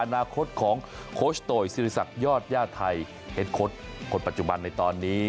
อนาคตของโคชโตยศิริษักยอดญาติไทยเฮ็ดโค้ดคนปัจจุบันในตอนนี้